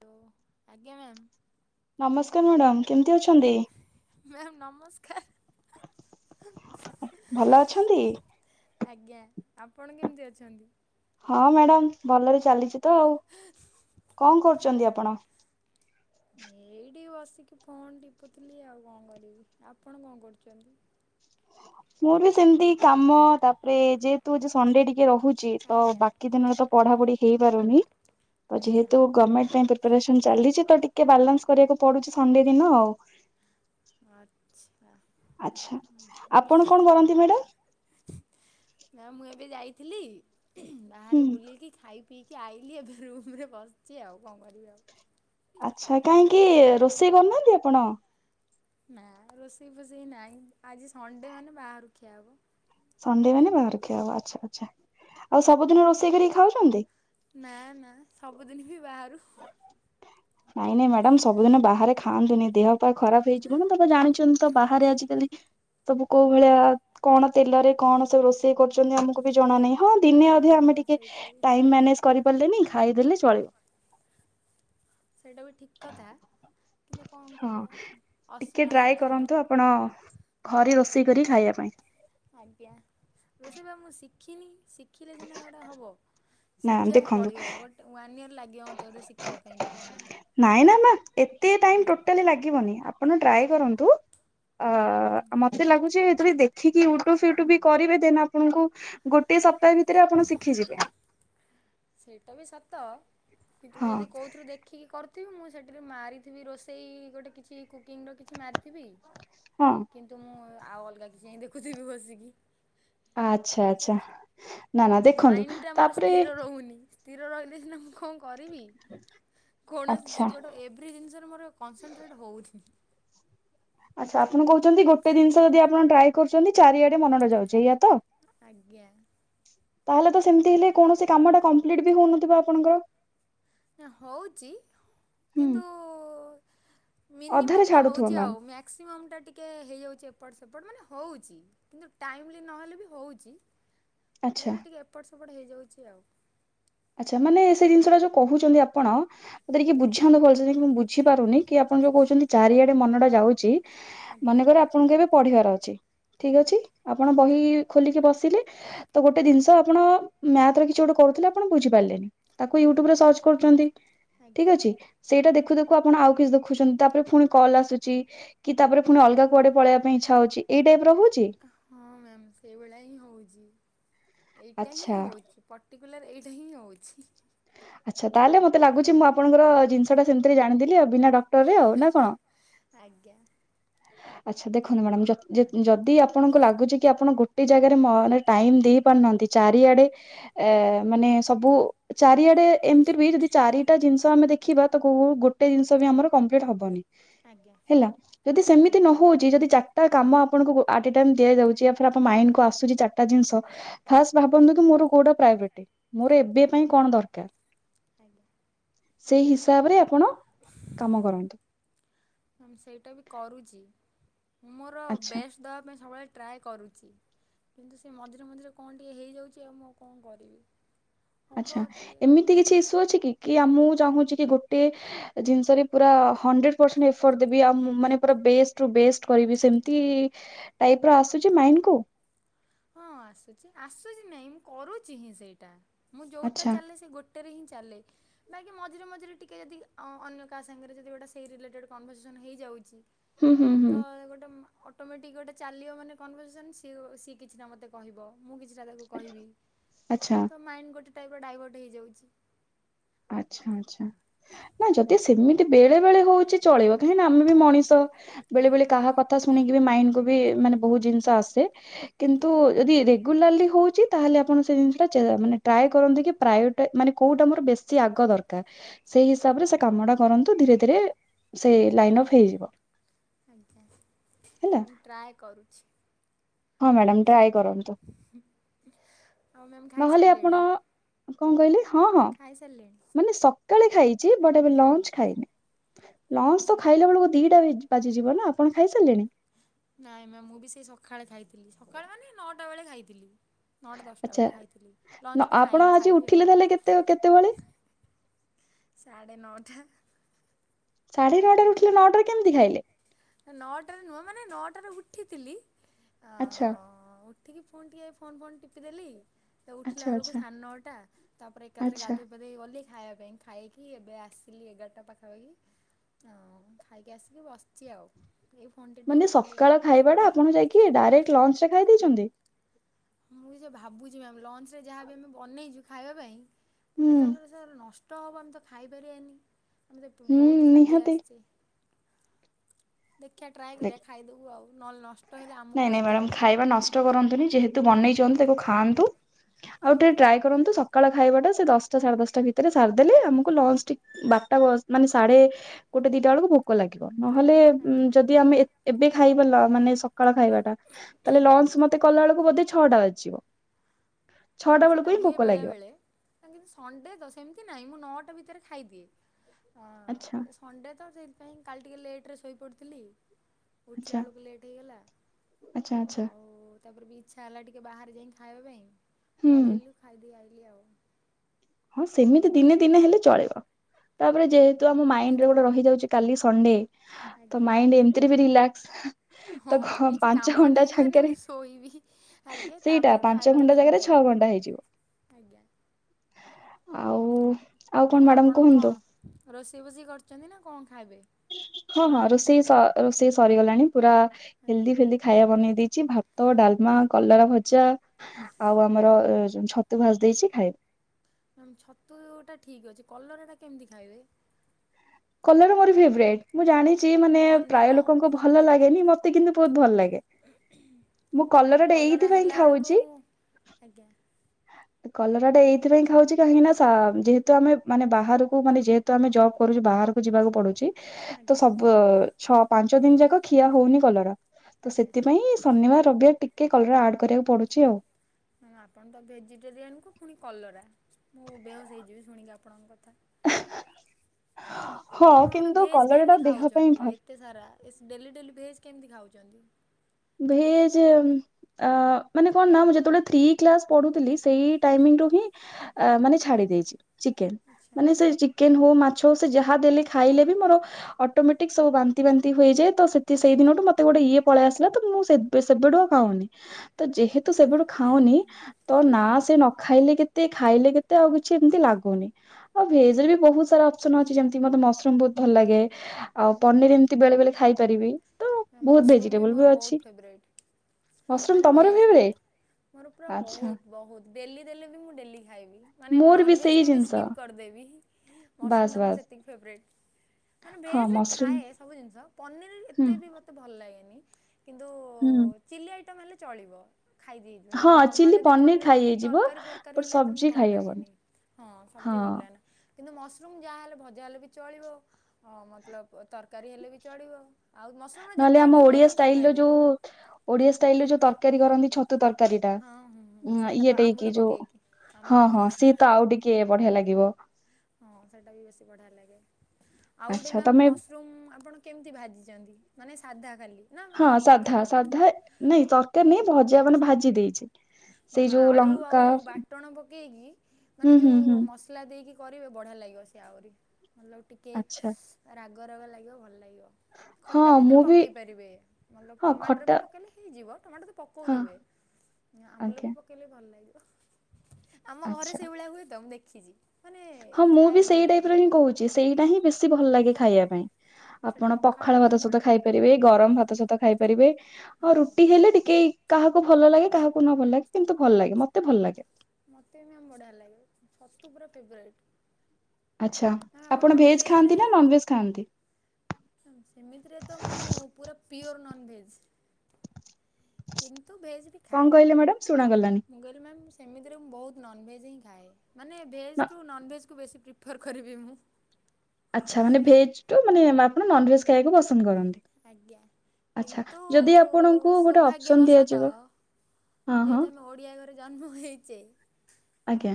Hello ଆଜ୍ଞା ma'am. ନମସ୍କାର madam କେମିତି ଅଛନ୍ତି? ମ୍ୟାମ୍ ନମସ୍କାର। ଭଲ ଅଛନ୍ତି? ଆଜ୍ଞା ଆପଣ କେମିତି ଅଛନ୍ତି? ହଁ ମ୍ୟାଡ଼ାାମ ଭଲରେ ଚାଲିଛି ତ ଆଉ କଣ କରୁଚନ୍ତି ଆପଣ? ଏଇଠି ବସିକି ଫୋନ୍ ଟିପୁଥିଲି ଆଉ କଣ କରିବି ଆପଣ କଣ କରୁଚନ୍ତି? ମୁ ବି ସେମିତି କାମ ତାପରେ ଯେହେତୁ ସଣ୍ଡେ ଟିକେ ରହୁଛି ତ ଆଜ୍ଞା ବାକି ଦିନରେ ତ ପଢା ପଢି ହେଇ ପାରୁନି ତ ଆଜ୍ଞା ଯେହେତୁ ଗମେଣ୍ଟ ପିପରେସନ୍ ଚାଲିଛି ତ ଟିକେ ବାଲାନ୍ସ କରିବାକୁ ପଡୁଛି ସଣ୍ଡେ ଦିନ ଆଉ। ଆଚ୍ଛା। ଆଚ୍ଛା ଆପଣ କଣ କରନ୍ତି ମ୍ୟାଡ଼ାମ? ନା ମୁଁ ଏବେ ଯାଇଥିଲି ହୁଁ ବାହାରେ ବୁଲିକି ଖାଇ ପିଇକି ଆଇଲି ଏବେ ରୁମ ରେ ବସିଛି ଆଉ କଣ କରିବି ଆଉ। ଆଚ୍ଛା କାହିଁକି ରୋଷେଇ କରୁନାହାନ୍ତି ଆପଣ? ନା ରୋଷେଇ ଫୋଷେଇ ନାହିଁ ଆଜି ସଣ୍ଡେ ମାନେ ବାହାରୁ ଖିଆହବ। ସଣ୍ଡେ ମାନେ ବାହାର ଖିଆ ହବ ଆଚ୍ଛା ଆଚ୍ଛା ଆଉ ସବୁଦିନ ରୋଷେଇ କରିକି ଖାଉଛନ୍ତି? ନା ନା ସବୁଦିନ ବି ବାହାରୁ ନାଇଁ ନାଇଁ ମ୍ୟାଡାମ ସବୁଦିନ ବାହାରେ ଖାଆନ୍ତୁନି ଦେହ ଖରାପ ହେଇଯିବ ନା ତପା ଜାଣିଛନ୍ତି ତ ବାହାରେ ଆଜିକାଲି ସବୁ କୋଉ ଭଳିଆ କଣ? ତେଲରେ କଣ? ସବୁ ରୋଷେଇ କରୁଛନ୍ତି ଆମକୁ ବି ଜଣ ନାହିଁ? ହଁ ଦିନେ ଅଧିକ ଆମେ ହଁ ଟିକେ ସେଇଟା ବି ଟାଇମ ଠିକ୍ ମ୍ୟାନେଜ କଥା। କରିପାରିଲେନି ଖାଇଦେଲେ ଚଳିବ। ସେଇଟା ବି ଠିକ୍ କଥା କିନ୍ତୁ କଣ ହଁ କରିବା ଟିକେ ଅସୁବିଧା ଟ୍ରାଏ ତ। କରନ୍ତୁ ଆପଣ ଘରେ ରୋଷେଇ କରି ଖାଇବା ପାଇଁ ଆଜ୍ଞା ରୋଷେଇ ବା ମୁଁ ଶିଖିନି। ଶିଖିଲେ ସିନା ଗୋଟେ ହେବ ନା ଶିଖିବାକୁ ଦେଖନ୍ତୁ ପଡ଼ିବ ଗୋ ୱାନ୍ ଇୟର ଲାଗିବ ମତେ ଶିଖିବା ପାଇଁ କି କଣ? ନାଇଁ ମା ଏତେ ଟାଇଟା ଲାଗିବନି ଆପଣ ଟ୍ରାଏ କରନ୍ତୁ। ଅ ମତେ ଲାଗୁଛି ଯେତେବେଳେ ଦେଖିକି ୟୁଟ୍ୟୁବ ସୁଟୁବ ବି କରିବେ ଦେନ ଆପଣଙ୍କୁ ଗୋଟେ ସପ୍ତାହ ଭିତରେ ଆପଣ ଶିଖିଯିବେ। ସେଇଟା ବି ସତ କିନ୍ତୁ ମୁଁ ହଁ ଯଦି କୋଉଥିରୁ ଦେ ଦେଖିକ କରିଥିବି ମୁଁ ସେଠିରେ ମାରିଥିବି ରୋଷେଇ ଗୋଟେ କିଛି କୁକିଂ ର କିଛି ମାରିଥିବି ହଁ। କିନ୍ତୁ ମୁଁ ଆଉ ଅଲଗା କିଛି ହାଇଁ ଦେଖୁଛି ବି ବସିକି। ଆଚ୍ଛା ଆଚ୍ଛା। ନା ନା ଦେଖନ୍ତୁ ମାଇଣ୍ଡ ଟା ଆମର ତାପରେ ସ୍ଥିର ରହୁନି। ସ୍ଥିର ରହିଲେ ସିନା ମୁଁ କଣ କରିବି ଆଚ୍ଛା କୌଣସି ଗୋଟ ଏ ଜିନିଷରେ ମୋର କନସେଟ୍ରେଟ୍ ହଉନି। ଆଚ୍ଛା ଆପଣ କହୁଛନ୍ତି ଗୋଟେ ଜିନିଷ ଯଦି ଆପଣ ଟ୍ରାଏ କରୁଛନ୍ତି ଚାରିଆଡେ ମନଟା ଯାଉଛିେ ଏଇଆା ତ ଆଜ୍ଞା। ତାହେଲେ ତ ସେମିତି ହେଲେ କୌଣସି କାମ ଟା କମ୍ପ୍ଲିଟ ବି ହଉନଥିବ ଆପଣଙ୍କର? ନା ହଉଛି ହୁଁ। କିନ୍ତୁ ଅଧାରେ ମିନିମମ୍ଟା ଛାଡୁଥିବ ହେଉଛି ମ୍ୟାମ ଆଉ ମ୍ୟା ମାକ୍ସିମମ୍ ଟା ଟିକିଏ ହେଇଯାଉଛି ଏପଟ ସେପଟ ମାନେ ହେଉଛି କିନ୍ତୁ ଟାଇମଲି ନହେଲେ ବି ହେଉଛି ଆଚ୍ଛା ହେଲେଟା ଟିକେ ଏପଟ ସେପଟ ହେଇଯାଉଛି ଆଉ ଆଚ୍ଛା ମାନେ ସେ ଜିନିଷ ଟା ଯୋଉ କହୁଛନ୍ତି ଆପଣ ମୋତେ ଟିକେ ଆଜ୍ଞା ବୁଝାନ୍ତ ଭଲଛନ୍ତି କି ମୁଁ ବୁଝିପାରୁନି। କି ଆପଣ ଯୋଉ କହୁଛନ୍ତି ଚାରିଆଡେ ମନ ଟା ଯାଉଛି ଆଜ୍ଞା ମନେକର ଆପଣଙ୍କୁ ଏବେ ପଢିବାର ଅଛି। ଠିକ ଆଜ୍ଞା। ଅଛି ଆପଣ ବହି ଖୋଲିକି ବସିଲେ ତ ଗୋଟେ ଆଜ୍ଞା ଜିନିଷ ଆପଣ ମ୍ୟାଥରେ କିଛି ଗୋଟେ କରୁଥିଲେ ଆପଣ ବୁଝିପାରିଲେନି ତାକୁ ଆଜ୍ଞା ୟୁଟ୍ୟୁବ ଆଜ୍ଞା ରେ ସର୍ଚ୍ଚ କରୁଛନ୍ତି ଆଜ୍ଞା। ଠିକ ଅଛି ସେଇଟା ଦେଖୁ ଆଜ୍ଞା। ଦେଖୁ ପଣ ଆଉ କିଛି ଦେଖୁଛନ୍ତି ତାପରେ ପୁଣି କଲ୍ ଆସୁଛି କି ତାପରେ ପୁଣି ଅଲଗା କୁଆଡେ ପଳବା ପାଇଁ ଇଚଛା ହଉଛିଇ ଟାଇପ ର ହଉଛି ହଁ ମ୍ୟାମ୍ ସେଇଭଳିଆ ହିଁ ହଉଛି ଏଇଟା ହିଁ ଆଚ୍ଛା ହଉଛି। ପର୍ଟିକୁଲାର ଏଇଟା ହିଁ ହେଉଛି। ଆଚ୍ଛା ତାହେଲେ ମତେ ଲାଗୁଛି ମୁ ଆପଣଙ୍କର ଜିନିଷଟା ସେମିତି ରେ ଜାଣିଦେଲି ବିନାଡ [unintelligible] ନା କଣ, ଆଜ୍ଞା। ଆଜ୍ଞା ଆଛା ଦେଖନ୍ତୁ ମାଡାମ୍ ଯଦି ଆପଣ ଆପଣଙ୍କୁ ଲାଗୁଛି କି ଆପଣ ଗୋଟେ ଜାଗାରେ ମାନେ ଟାଇମ ଦେଇ ପାରୁନାହାନ୍ତି ଚାରିଆଡେ ଏ ମାନେ ସବୁ ଚାରି ଚାରିଆଡେ ଏମିତି ବି ଯଦି ଚାରିଟା ଜିନିଷ ଆମେ ଦେଖିବା ତ ଗୋଟେ ଜିନିଷ ବି ଆମର କମ୍ପ୍ଲିଟ୍ ହବନି। ହେଲା ଯଦି ସେମିତି ଆଜ୍ଞା ନ ହଉଛି ଯଦି ଚା ତା କାମ ଆପଣଙ୍କୁ ଆଟ ଏ ଟାଇମ୍ ଦିଆଯାଉଛି ଫ ଆପଣ ମାଇଣ୍ଡକୁ ଆସୁଛି ଚାରିଟା ଜିନିଷ ଫାଷ୍ଟ ଭାବନ୍ତୁ ତୁ ମୋର ଗୋଡ ପ୍ରାୟୋରିଟି ମୋର ଏବେ ପାଇଁ ଆଜ୍ଞା କଣ ଦରକାର ଆଜ୍ଞା ସେଇ ହିସାବରେ ଆପଣ କାମ କରନ୍ତୁ। ସେଇଟା ବି କରୁଛି ମୋର ଆଚ୍ଛା ବେଷ୍ଟ ଦେବା ପାଇଁ ସବୁବେଳେ ଟ୍ରାଏ କରୁଛି। କିନ୍ତୁ ସେ ମଝିରେ ମଝିରେ କଣ ଟିକିଏ ହେଇଯାଉଛି ଆଉ ମୁଁ କଣ କରିବି। ହବ ଆଚ୍ଛା ଟିକେ ଏମିତି କିଛି ଇସୁ ଅଛି କି କି ଆମ ଚାହୁଁଛି କି ଗୋଟେ ଜିନିରେ ପୁରା ହଣ୍ଡେଡ ଦେବି ଆଉ ମାନେ ପୁର ବଷ୍ଟ ରୁ ବ କରିବି ସେମିତି ଟାଇପ ର ଆସୁଛି ମାଇନ୍ଡକୁୁ ହଁ ଆସୁଛି ଆସୁଛି ନାଇଁ ମୁଁ କରୁଛି ହିଁ ସେଇଟା ମୁଁ ଯୋଉଟା ଆଚ୍ଛା ଚାଲେ ସେ ଗୋଟେ ଟରେ ହିଁ ଚାଲେ ବାାଇଁକି ମଝିରେ ମଝିରେ ଟିକିେ ଯଦି ଅନ୍ୟ କାହା ସାଙ୍ଗରେ ଯଦି ଗୋଟେ ସେଇ ରିଲେଟେଡ଼୍ କନଭରସେସନ୍ ହେଇଯାଉଛି ହୁଁ ହୁଁ ହୁଁ ତ ଗୋଟେ ଅଟୋମେଟିକ ଗୋଟେ ଚାଲିବ ମାନେ କନ୍ଭରସେସନ୍ ସ ସଏ କିଛି ନା ମତେ କହିବ ମୁଁ କିଛିଟା ତାକୁ କହିବି ଆଚ୍ଛା ତ ମାଇଣ୍ଡ ଗୋଟେ ଟାଇପ୍ର ଡାଇଭର୍ଟ ହେଇଯାଉଛି ଆଚ୍ଛା ଆଚଛା ନା ଯଦି ସେମିତି ବେଳେ ବେଳେ ହଉଛି ଚଳେଇ କାହିଁ ଆମେ ବି ମଣିଷ ବେଳେ ଆଜ୍ଞା। ବେଳେ କାହା କଥା ଶୁଣିକି ବି ମାଇଣ୍ଡକୁୁ ବି ମାନେ ବହୁତ ଜ ଆସେ କିନ୍ତୁ ଆଜ୍ଞା ଯଦି ରେଗୁଲାରଲି ହେଉଛି ତାହେଲେ ଆପଣ ସେ ଜିନିଷଟା ମାନେ ଟ୍ରାଏ କରନ୍ତି କି ପ୍ରାୟଟ ମାନେ କେଉଁଟା ମୋର ବେ ସଏ ଆଗ ଦରକାର ସେଇ ହିସାବରେ ଆଜ୍ଞା ସେ କାମଟା କରନ୍ତୁ ଧୀରେ ଧୀରେ ସେ ଲାଇନ ଅପ୍ ହେଇଯିବ। ଆଜ୍ଞା ହେଲା ଆ ମୁ ଟ୍ରାଏ କରୁଛି ହଁ ମ୍ୟାଡ଼ ଟ୍ରାଏ କରନ୍ତୁ ଆଉ ମ୍ୟାମ୍ ନହେଲେ ଖାଇସାରିଲେଣି ଆପଣ କଣ କହିଲି ହଁ ହଁ ଖାଈ ସରିଲେଣି। ସକାଳେ ଖାଇଛି ବଟ ଏବେ ଲଞ୍ଚ ଖାଇନି, ଲଞ୍ଚ ତ ଆଚ୍ଛା। ଖାଇଲା ବେଳକୁ ଦିଟା। ବାଜିଯିବ ନା ଆପଣ ଖାଇସାରିଲେଣି? ନାଇଁ ମ, ମୁଁ ବି ସେ ସକାଳେ ଖାଇଥିଲି ସକାଳେ ମାନେ ନଅଟା ବେଳେ ଖାଇଥିଲି। ନଅଟା ଦଶଟା ଆଚ୍ଛା ବେଳେ ଖାଇଥିଲି ନ ଲଞ୍ଚ ବି ଆପଣ ଖାଇନି ଆଜି ଖାଇବି ଉଠିଲେ ତାହେଲେ କେତେ କେତେବେଳେ? ଆଉ। ସାଢ଼େ ନଅଟା। ସାଢେ ନଅଟାରେ ଉଠିଲ ନଅଟାରେ କେମିତି ଖାଇଲେ। ନଅଟାରେ ନୁହଁ, ମାନେ ନଅଟାରେ ଉଠିଥିଲି ଆ। ଆଚ୍ଛା ଟିକି ଫୋନ୍ ଟିକେ ଫୋନ୍ ଫୋନ୍ ଟିପିଦେଲି ଆଚ୍ଛା ଉଠିଲା ବେଳକୁ ଆଚ୍ଛା ସଢେ ନଅଟା ତାପରେ ଏକାଥରେ ଆଚ୍ଛା। ଗାଧୋଇ ଏଧ ଗଲି ଖାଇବା ପାଇଁ ଖାଇକି ଏବେ ଆସିଲି ଏଗାରଟା ପାଖାପାଖି। ହଁ ଖାଇକି ଆସିକି ବସିଛି ଆଉ ଏଇ ଫୋନ ଟେ ଦେଖୁଥିଲି ଆଉ। ଖାଇବା ଟ ଆପଣ ଯାଇକି। କିଏ ଡାଇରେକ୍ଟ ଲଞ୍ଚ ରେ ଖାଇ ଦେଇେଇଛନ୍ତି। ମୁଁ ସେ ଭାବୁଛି ମ୍ୟାମ ଲଞ୍ଚ ରେ ଯାହାବି ଆମେ ବନେଇଛୁ ଖାଇବା ପାଇଁ ପୁ ହୁଁ ତାହେ ସାର୍ ନଷ୍ଟ ହବନି ତ ଖାଇବେରିଆନି। ଆମେତ ହୁଁ ବହୁତ ଖାଇଦେଇ ନିହାତି। ଆସିଛି। ଦେଖିବା ଟ୍ରାଏ ଦେଖ କରିବା ଖାଇଦେବୁ ଆଉ ନହେଲେ ନଷ୍ଟ ହେଲେ ନାଇଁ ଆମକୁ ନାଇଁ ମ୍ୟାଡାମ ବାଧିବ। ଖାଇବା ନଷ୍ଟ କରନ୍ତୁନି ଯେହେତୁ ବନେଇଛ ତାକୁ ଖାଆନ୍ତୁ ଆଉ ତେବେ ଆଜ୍ଞା। ଟ୍ରାଏ କରନ୍ତୁ ସ ସକାଳ ଖାଇବାଟା ସେ ଦଶଟା ସାଢେ ଦଶଟା ଭିତରେ ସାରିଦେଲେ ଆମକୁ ଲଞ୍ଚଟି ବାରଟା ମାନେ ସାଢେ ଗୋଟେ ଦିଟା ବେଳକୁ ଭୋକ ଲାଗିବ ନହେଲେ ଆଜ୍ଞା ଯଦି ଆମେ ଏ ଏବେ ଖାଇବାଲ ମାନେ ସ ସକାଳ ଖାଇବା ଟା ତାହେଲେ ଲଞ୍ଚ ମତେ କଲା ବେଳକୁ ବୋଧେ ଛଅଟା ବାଜିଯିବ। ମ୍ୟାମ୍ ଛଅଟା ସେଇଟା ବେଳକୁ ହିଁ ହୁଏ ଭୋକ ବେଳେ ଲାଗିବ ବେଳେ। କିନ୍ତୁ ସଣ୍ଡେ ତ ସେମିତି ନାହିଁ ମୁଁ ନଅଟା ଭିତରେ ଖାଇଦିଏ ହଁ। ଆଚ୍ଛା ସଣ୍ଡେ ତ ସେଇଥିପାଇଁ କାଲି ଟିକେ ଲେଟ୍ ରେ ଶୋଇପଡିଥିଲି। ଉଠିଲା ବେଳକୁ ଲେଟ୍ ହେଇଗଲା। ଆଛା ଆଛା। ଓ ତାପରେ ବି ଇଚ୍ଛା ହେଲା ଟିକେ ବାହାରେ ଯାଇଁ ଖାଇବା ପାଇଁ ହୁଁ ପଳେଇଲୁ ଖାଇଦେଇ ଆଇଲି ଆଉ। ହଁ ସେମିତି ଦିନେ ଦିନେ ହେଲେ ଚଳିବ। ତାପରେ ଯେହେତୁ ଆମ ମାଇଣ୍ଡ ରେ ଗୋଟେ ରହିଯାଉଛି କାଲି ସଣ୍ଡେ। ତ ଆଜ୍ଞା। ମାଇଣ୍ଡ ଏମିତିରେ ବି ରିଲାକ୍ସ ହଁ ତ ହଁ କହ କିଛି ପାଞ୍ଚ କାମ ଘଣ୍ଟା ନାହିଁ ମାନେ ଜାଗାରେ। ମୁଁ ଶୋଇବି ଆଗେ ସେଇଟା ତାପରେ ପାଞ୍ଚ ଖାଇବା କଥା ଘଣ୍ଟା ଜାଗାରେ ଚିନ୍ତା ଛଅ କରିବି। ଘଣ୍ଟା ହେଇଯିବ। ଆଜ୍ଞା। ଆଉ ଆଉ କଣ ହଁ ମ୍ୟାଡାମ ଆପଣ କୁହନ୍ତୁ କଣ ରୋଷେଇ ବୋଷେଇ କରଛନ୍ତି ନା କଣ ଖାଇବେ? ହଁ ହଁ ବାହାରୁ ରୋଷେଇ ସ ରୋଷେଇ ସରିଗଲାଣି ପୁରା ଆଜ୍ଞା। ହେଲଦି ଫେଲଦି। ଖାଇବା ବନେଇ ଦେଇଛି ଭାତ, ଡାଲମା, କଲରା ଭଜା। ଆଉ ଆମର ଛତୁ ଭାଜି ଦେଇଛି ଖାଇବୁ। ମ୍ୟାମ୍ ଛତୁଟା ଠିକ୍ ଅଛି। କଲରଟା କେମିତି ଖାଇବେ? କଲରା ମୋର ଫେଭରାଇଟ୍ ମୁଁ ଜାଣିଛି ମାନେ ଓ ନୋ ପ୍ରାୟ ଲୋକଙ୍କୁ ଭଲ ଲା ଡେଲି ମତେ କିନ୍ତୁ ବହୁତ ଭଲ ଲାଗେ। ମୁଁ ମ୍ୟାମ୍ କଲରା ଟା ଏଇଥିପାଇଁ ହେଲା ବେଳକୁ ଖାଉଛି। ଆଜ୍ଞା କଲରା ଟା ଏଇଥିପାଇଁ। ଖାଉଛି କାହିଁକି ନା ସା ଯେହେତୁ ଆମେ ମାନେ ବାହାରକୁ ମାନେ ଯେହେତୁ ଆମେ ଜବ୍ କରୁଚୁ ବାହାର। ଯିବାକୁ ପଡୁଛି ତ ଆଜ୍ଞା ସବ ଛଅ ପାଞ୍ଚ ଦିନ ଯାକ ଖିଆ ହଉନି କଲରା। ଆଜ୍ଞା ସେଥିପାଇଁ ଶନିବାର, ରବିବାର ଟିକେ କଲରା ଆଡ କରିବାକୁ ପଡୁଛି ଆଉ। ନା ଆପଣ ତ ଭେଜିଟେରିଆନ୍ କୁ ପୁଣି କଲରା ମୁଁ ବେହୋସ ହେଇଯିବି ଶୁଣିକି ଆପଣଙ୍କ କଥା। ହଁ କଣ କିନ୍ତୁ ଭେଜ କଲରା ଟା କେମିତି ଦେହ ପାଇଁ ଖାଉଛନ୍ତି ଭଲ। ଏ ଏତେ ସାରା ଏସ୍ ଡେଲି ଡେଲି ଭେଜ୍ କେମିତି ଖାଉଛନ୍ତି? ଭେଜ ଅ ମାନେ କଣ ନା ମୁଁ ଯେତେବେଳେ ଥି ଥ୍ରୀ କ୍ଲାସ୍ ପଢ଼ୁଥିଲି ସେଇ ଆଜ୍ଞା ଟାଇମିଂ ରୁ ହିଁ ମାନେ ଛାଡ଼ି ଦେଇଛି ଚିକେନ ଆଚ୍ଛା ମାନେ ସେ ଚିକ୍ କେନ ହଉ ମାଛ ହଉ ସେ ଯାହା ଦେଲେ ଖାଇଲେ ବି ମୋର ଅଟୋମେଟିକ୍ ସବୁ ବାନ୍ତି ବାନ୍ତି ହୋଇଯାଏ ତ ସେ ସେଇ ଆଜ୍ଞା ଦିନଠୁ ମତେ ଗୋଟେ ଇଏ ପଳେଇ ଆସିଲା ତ ମୁଁ ସେ ସେବେଠୁ ଆଉ ଖାଉନି। ତ ଯେହେତୁ ସେବେଠୁ ଖାଉନି ତ ନା ଆଜ୍ଞା ସେ ନ ଖାଇଲେ କେ କେତେ ଖାଇଲେ କେତେ ଆଉ କିଛି ଏମିତି ଲାଗୁନି। ଅ ଭେଜ ରେ ବି ବହୁତ ସାରା ଅପସନ ଅଛି ଯେମିତି ମତେ ମସରୁମ ବହୁତ ଭଲ ଲାଗେ। ଆଉ ଆଜ୍ଞା। ପନିର ଏମିତି ବେଳେ ବେଳେ ଖାଇ ପାରିବି ତ ମ୍ୟାମ୍ ବହୁତ ମସରୁମ୍ ଭେଜିଟେବୁଲ ବି ମୋର ବହୁତ ଫେବରାଇଟ୍। ମସରୁମ୍ ମାନେ ତମର ଭେଜରେ ଫେଭରାଇ ମୋର ପୁରା ଆଚ୍ଛା। ବହୁତ ବହୁତ ଡେଲି ଦେଲେ ବି ମୁଁ ଡେଲି ଖାଇବି ମାନେ ମୁଁ ମୋର ନନ ଭେଜ ସେଇ କୁ ବି ଜିନିଷ ସ୍କିପ୍ କରିଦେବି। ମସରୁମ୍ ବାସ୍ ଟା ମୋର ବାସ୍ ସେତିକି ଫେବରାଇଟ୍ ମାନେ ହଁ ଭେଜ ମସରୁମ ଏ ସବୁ ଜିନିଷ ପନିର ହୁଁ ଏତେ ବି ମତେ ଭଲ ଲାଗେନି କିନ୍ତୁ ହୁଁ ଚିଲି ଆଇ ତମେ ହେଲେ ଚଳିବ। ଖାଇ ଦିଏ ହଁ ନର୍ମାଲି ଚିଲି ଯଦି ପନିର ପନିର୍ ଖାଇ ହେଇଯିବ ତରକାରୀ ଫରକାରୀ ବଟ ହେଲେ ଏତେ ମତେ ସବଜି ଭଲ ଖାଇହବନି ଲାଗେନି। ହଁ ସବଜି ବଲ ଲାଗେନା। କିନ୍ତୁ ମସ୍‌ରୁମ୍ ଯାହାହେଲେ ଭଜା ହେଲେ ବି ଚଳିବ ଅ ମତଲବ ତରକାରୀ ହେଲେ ବି ଚଳିବ। ଆଉ ମସରୁମ୍ ରେ ନହେଲେ ଯେତେ ଆମ ଆଇଠମ୍ ଓଡିଆ କରିବ ମୁଁ ସବୁ ଷ୍ଟାଇଲ ର ଖାଇଦେବି। ଯୋଉ ଓଡିଆ ଷ୍ଟାଇଲ୍ ରେ ଯୋଉ ତରକାରୀ କରନ୍ତି ଛ ତୁ ତରକାରୀ ଟା ହଁ ହୁଁ ହୁଁ ସେଇଟା ତ ଇଏ ଆମ୍ବୁଲ ଟେକି ଯୋଉ ପକେଇକି ଆମ୍ବୁଲ ହଁ ହଁ ପକେଇକି ସିଏ ତ ଆଉ ଟି କିଏ ବଢିଆ ଲାଗିବ। ହଁ ସେଇଟା ବି ବେଶୀ ବଢିଆ ଲାଗେ ଆଉ ଗୋଟେ ଆଚ୍ଛା ମ୍ୟାମ ତମେ ମସ୍ ରୁମ୍ ଆପଣ କେମିତି ଭାଜିଚନ୍ତି ମାନେ ସାଧା ଖାଲି। ନା ହଁ କଣ ସାଧା ତରକାରୀ କରିଛନ୍ତି? ସାଧା ନାଇଁ ତରକାରୀ ନାଇ ଭଜା ମାନେ ଭାଜି ଦେଇଚି। ମା ଆଳୁ ଆଉ ବାଟଣ ପକେଇକି ମାନେ ହୁଁ ହୁଁ ଯୋଉ ହୁଁ ମସ୍ ଲା ଦେଇକି କରିବେ ବଢ଼ିଆ ଲାଗିବ ସେ ଆଉରି ମତଲବ ଟିକେ ଆଚ୍ଛା ରାଗ ରାଗ ଲାଗିବ ଭଲ ଲାଗିବ। ହଁ ଖଟା ବି ସେଥିରେ ମୁଁ ପକେଇ ପାରିବେ ମତଲବ ହଁ ଟମାଟୋ ଖଟା ବି ପକେଇଲେ ହେଇଯିବ ଟମାଟୋ ତ ହଁ ପକଉଥିବେ। ନା ଅମ୍ବୁଲ ଆଜ୍ଞା ବି ପକେଇଲେ ଭଲ ଲାଗିବ ଆମ ଘରେ ଆଚ୍ଛା ସେଇଭଳିଆ ହୁଏ ତ ମୁଁ ଦେଖିଚି। ହଁ ମୁଁ ବି ସେଇ ଟାଇପ୍ ର ହିଁ କହୁଚି ସେଇଟା ହିଁ ବେଶୀ ଭଲ ଲାଗେ ଖାଇବା ପାଇଁ। ହଁ ସେଇଟା ଆପଣ ପଖାଳରେ ପଖାଳ ମ୍ୟାମ୍ ଭାତ ବଢ଼ିଆ ସତ ଲାଗିବ ଖାଇପାରିବେ ହଁ ଗରମ ଭାତ ସତ ଖାଇପାରିବେ। ହଁ ରୁଟି ହେଲେ ଟିକେ କାହାକୁ ଭଲ ଲାଗେ କାହାକୁ ନ ଭଲ ଲାଗେ କିନ୍ତୁ ଭଲ ଲାଗେ ମତେ ଭଲ ଲାଗେ। ମତେ ବି ମ୍ୟାମ ବଢିଆ ଲାଗେ ଛତୁ ପୁରା ଫୋବରାଇଟ୍। ଆଚ୍ଛା ଆପଣ ଭେଜ୍ ଖାଆନ୍ତି ଭେଜରେ ନା ନନ୍ ଭେଜ୍ ଖାଆନ୍ତି? ସେମିତିରେ ତ ମୁଁ ପୁରା ପିଓର ନନ୍ ଭେଜ୍। କିନ୍ତୁ ଭେଜ ବି କଣ ଖାଏ କହିଲେ ମ୍ୟାଡାମ ଶୁଣାଗଲାନି। ମୁ କଇଲି ମ୍ୟାମ୍। ସେମିତିରେ ମୁଁ ବହୁତ ନନ୍‌ଭେଜ୍ ହିଁ ଖାଏ। ମାନେ ଭେଜ୍ ନ- ଟୁ ନନ୍‌ ଭେଜ୍‌ କୁ ବେଶୀ ପ୍ରିଫର୍ କରିବି ମୁଁ। ଆଚ୍ଛା ମାନେ ଭେଜ୍‌ ଟୁ ମାନେ ଆପଣ ନନ୍ ଭେଜ୍ ଖାଇବାକୁ ପସନ୍ଦ କରନ୍ତି। ଆଜ୍ଞା ଆଛା କିନ୍ତୁ ଯଦି ଆପଣଙ୍କୁ ଗୋଟେ ଅପ୍ ସନ ସୌଭାଗ୍ୟବଶତଃ ଦିଆଯିବ। ହଁ ହଁ। ଯେହେତୁ ଆମେ ଓଡ଼ିଆ ଘରେ ଜନ୍ମ ହୋଇଚେ। ଆଜ୍ଞା।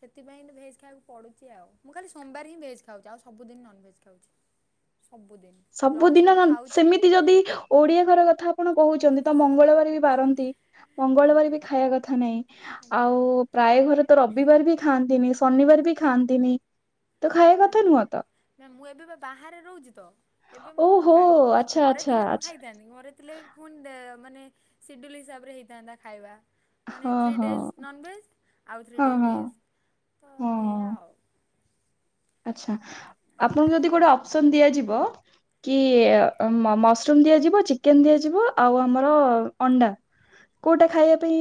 ସେଥିପାଇଁ ତ ଭେଜ୍ ଖାଇବାକୁ ପଡ଼ୁଚି ଆଉ ମୁଁ ଖାଲି ସୋମବାର ହିଁ ଭେଜ୍ ଖାଉଚି ଆଉ ସବୁଦିନ ନନ୍ ଭେଜ୍ ଖାଉଚି। ସବୁଦିନ୍। ସବୁଦିନ ନନ୍ ସେମିତି ଯଦି ଓଡିଆ ଘର କଥା ଆପଣ କହୁଛନ୍ତି ତ ମଙ୍ଗଳବାର ବି ବାରନ୍ତି। ମଙ୍ଗଳବାରେ ଆଜ୍ଞା ବି ଖାଇବା କଥା ନାଇଁ ଆଜ୍ଞା। ଆଉ ପ୍ରାୟ ଘରେ ତ ରବିବାର ବି ଖାଆନ୍ତିନି ଶନିବାର ବି ଖାଆନ୍ତିନି। ତ ଖାଇବା କଥା ଆଜ୍ଞା ନୁହଁ ତ ନା ମୁଁ ଏବେ ବା ବାହାରେ ରହୁଚି ତ। ଏବେ ମୁଁ ଓହୋ ଖାଇଦଉଚି ଆଚ୍ଛା ଘରେ ଆଚ୍ଛା ଥିଲେ କଣ ଆଚ୍ଛା ଖାଇଥାନ୍ତିି ଘରେ ଥିଲେ ଫୁନ୍ ଦେ ମାନେ ସିଡୁଲ ହିସାବରେ ହେଇଥାନ୍ତା ଖାଇବା। ମାନେ ହଁ ଥ୍ରୀ ହଁ ଡେଜ୍ ନନ୍ ଭେଜ୍ ଆଉ ଥ୍ରୀ ହଁ ଡେଜ୍ ହଁ ଭେଜ୍ ତ ଏଇଆ ଆଉ। ଆଛା ଆପଣଙ୍କୁ ଆଜ୍ଞା। ଯଦି ଗୋଟେ ଅପସନ୍ ଦିଆଯିବ। କି ମସରୁମ୍ ଦିଆଯିବ ଚିକେନ ଦିଆଯିବ ଆଉ ଆମର ଅଣ୍ଡା। କୋଉଟା ଖାଇବା ପାଇଁ